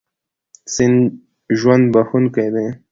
سیند ژوند بښونکی دی.